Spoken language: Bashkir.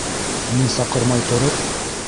Мин саҡырмай тороп...